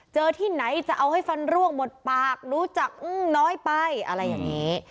ที่ไหนจะเอาให้ฟันร่วงหมดปากรู้จักน้อยไปอะไรอย่างนี้